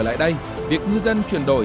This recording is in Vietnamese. trở lại đây việc ngư dân chuyển đổi